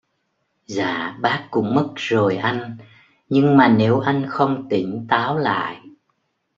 dạ bác cũng mất rồi anh Nhưng mà nếu anh không tỉnh táo lại